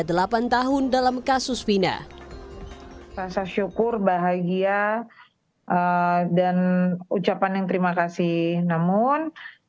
delapan tahun dalam kasus vina rasa syukur bahagia dan ucapan yang terima kasih namun